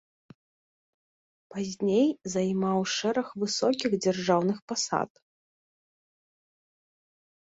Пазней займаў шэраг высокіх дзяржаўных пасад.